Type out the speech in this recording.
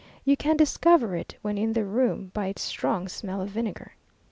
You can discover it, when in the room, by its strong smell of vinegar.